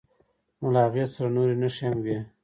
نو له هغې سره نورې نښې هم وي.